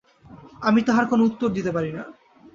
আমি তাহার কোনো উত্তর দিতে পারি না।